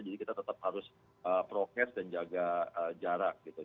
jadi kita tetap harus progress dan jaga jarak gitu